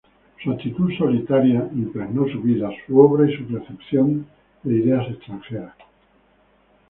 Su actitud solitaria impregnó su vida, su obra y su recepción de ideas extranjeras.